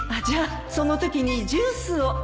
じゃあそのときにジュースを